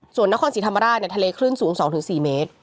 ส่วนนครสีธรรมดาเนี่ยทะเลคลื่นสูง๒๔เมตร